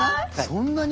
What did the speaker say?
そんなに？